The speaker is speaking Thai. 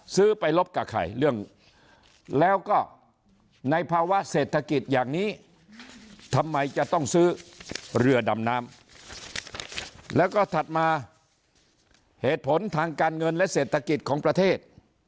ซื้อไปลบกับใครเรื่องแล้วก็ในภาวะเศรษฐกิจอย่างนี้ทำไมจะต้องซื้อเรือดำน้ำแล้วก็ถัดมาเหตุผลทางการเงินและเศรษฐกิจของประเทศ